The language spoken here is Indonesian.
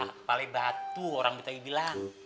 kepala batu orang itu bilang